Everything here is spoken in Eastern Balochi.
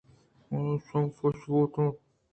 آئیءِچم پچ بوت اَنت